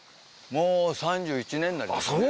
もう３１年になりますね